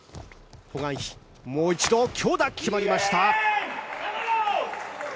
ホ・グァンヒ、もう一度強打決まりました。